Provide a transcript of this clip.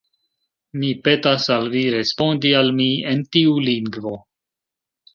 Mi petas al vi respondi al mi en tiu lingvo.